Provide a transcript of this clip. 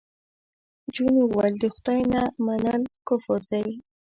جون وویل د خدای نه منل کفر دی